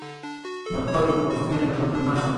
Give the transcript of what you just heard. د خلکو غوښتنې د بدلون نښه ده